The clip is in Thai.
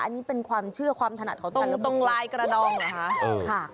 อันนี้เป็นความเชื่อความถนัดของทะละมุม